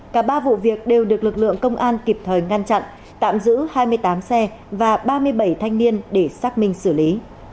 cả ba vụ việc đều được lực lượng công an kịp thời ngăn chặn tạm giữ hai mươi tám xe và ba mươi bảy thanh niên để xác minh xử lý